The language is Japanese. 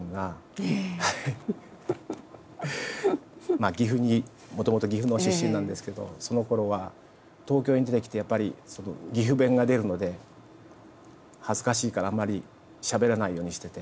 まあ岐阜にもともと岐阜の出身なんですけどそのころは東京に出てきてやっぱり岐阜弁が出るので恥ずかしいからあんまりしゃべらないようにしてて。